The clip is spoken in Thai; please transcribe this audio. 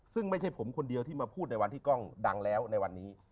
ซึ่งไม่ใช่ผมคนเดียวที่มาพูดในวันที่กล้องดังแล้วในวันนี้